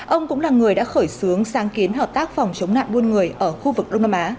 ông cũng là người đã khởi xướng sáng kiến hợp tác phòng chống nạn buôn người ở khu vực đông nam á